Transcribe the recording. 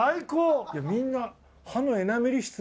みんな。